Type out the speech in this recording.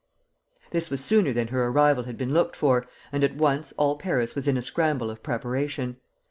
This was sooner than her arrival had been looked for, and at once all Paris was in a scramble of preparation.